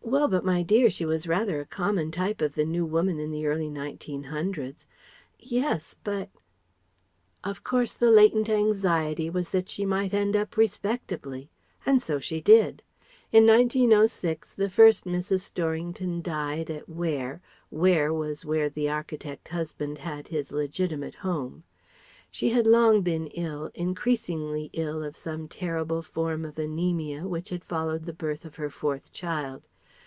"Well, but my dear, she was rather a common type of the New Woman in the early nineteen hundreds." "Yes but " Of course the latent anxiety was that she might end up respectably. And so she did. In 1906, the first Mrs. Storrington died at Ware (Ware was where the architect husband had his legitimate home). She had long been ill, increasingly ill of some terrible form of anæmia which had followed the birth of her fourth child.